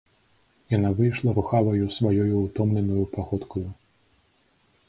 Яна выйшла рухаваю сваёю ўтомленаю паходкаю.